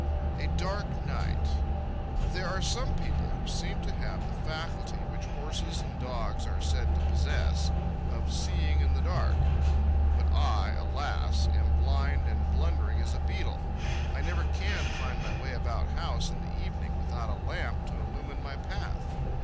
A Dark Night. There are some people who seem to have the faculty which horses and dogs are said to possess,—of seeing in the dark. But I, alas! am blind and blundering as a beetle; I never can find my way about house in the evening, without a lamp to illumine my path.